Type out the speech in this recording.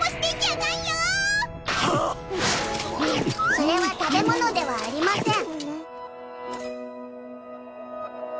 それは食べ物ではありません。